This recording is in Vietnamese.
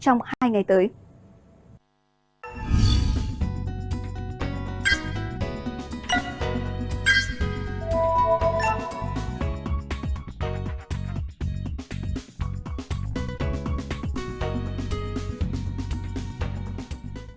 chùm với nhiệt độ cao nhất ba ngày tới sẽ không vượt quá ngưỡng ba mươi bốn độ